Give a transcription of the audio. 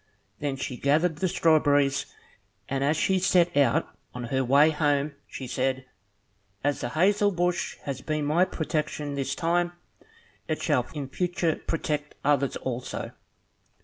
Then she gathered the strawberries, and as she set out on her way home she said, "As the hazel bush has been my protection this time, it shall in future protect others also."